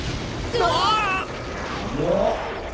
ああ！